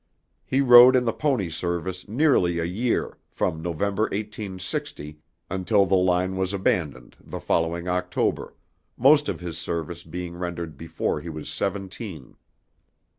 He rode in the pony service nearly a year, from November, 1860, until the line was abandoned the following October, most of his service being rendered before he was seventeen.